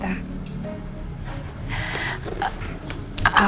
masalah belum mau kasih tau keluarga pondok pelita